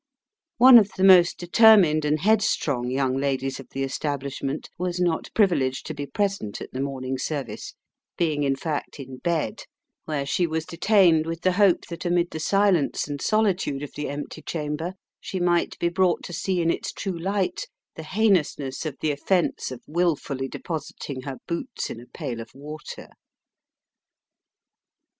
One of the most determined and head strong young ladies of the establishment was not privileged to be present at the morning service, being, in fact, in bed, where she was detained with the hope that amid the silence and solitude of the empty chamber she might be brought to see in its true light the heinousness of the offence of wilfully depositing her boots in a pail of water.